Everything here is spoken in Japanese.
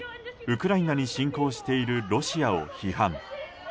ウクライナに侵攻しているロシアを批判。